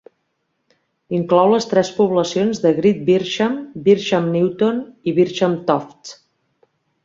Inclou les tres poblacions de Great Bircham, Bircham Newton i Bircham Tofts.